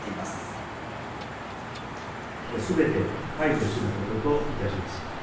すべて解除することといたします。